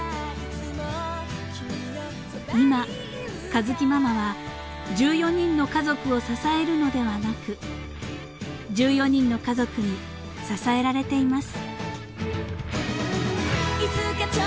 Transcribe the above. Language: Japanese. ［今佳月ママは１４人の家族を支えるのではなく１４人の家族に支えられています］